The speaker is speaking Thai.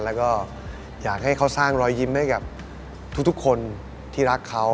แล้วก็อยากให้เขาสร้างรอยยิ้มให้กับทุกคนที่รักเขา